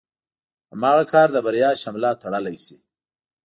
هماغه کار د بريا شمله تړلی شي.